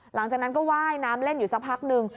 หลังจากนั้นก็ว่ายน้ำเล่นอยู่สักพักนึง